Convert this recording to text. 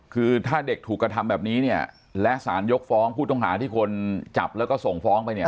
คือถ้าเด็กถูกกระทำแบบนี้เนี่ยและสารยกฟ้องผู้ต้องหาที่คนจับแล้วก็ส่งฟ้องไปเนี่ย